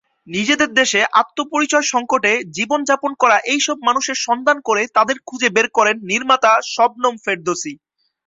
নিজের দেশে আত্মপরিচয় সংকটে জীবনযাপন করা এইসব মানুষের সন্ধান করে তাদের খুঁজে বের করেন নির্মাতা শবনম ফেরদৌসী।